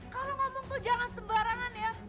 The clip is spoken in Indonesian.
kalau ngomong tuh jangan sembarangan ya